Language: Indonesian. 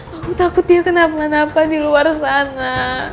aku takut dia kenapa napa di luar sana